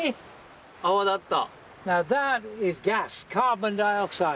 泡立った！